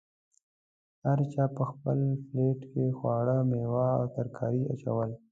هر چا په خپل پلیټ کې خواړه، میوه او ترکاري اچول.